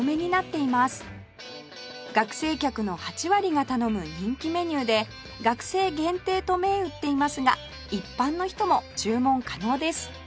学生客の８割が頼む人気メニューで学生限定と銘打っていますが一般の人も注文可能です